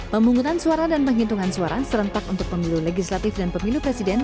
pemungutan suara dan penghitungan suara serentak untuk pemilu legislatif dan pemilu presiden